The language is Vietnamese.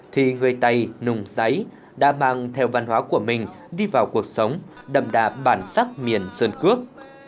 thì người tày nùng giấy đã mang theo văn hóa của mình đi vào cuộc sống đậm đà bản sắc miền sơn cước